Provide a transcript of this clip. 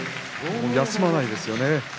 休まないですよね。